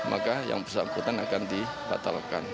maka yang bersangkutan akan dibatalkan